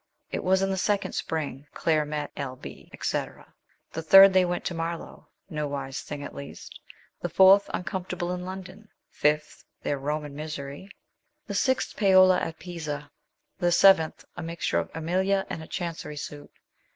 It was in the second spring Claire met L. B., &c. ; the third they went to Marlow no wise thing, at least; the fourth, uncom fortable in London ; fifth, their Roman misery ; the sixth, Paolo at Pisa; the seventh, a mixture of Emilia and a Chancery suit.